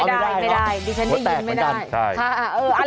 ได้ไม่ได้ดิฉันได้ยินไม่ได้